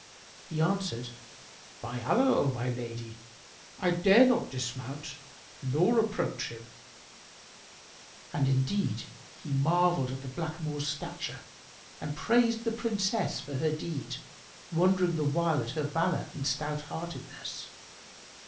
He answered, "By Allah, O my lady, I dare not dismount nor approach him." And indeed he marvelled at the blackamoor's stature and praised the Princess for her deed, wondering the while at her valour and stout heartedness.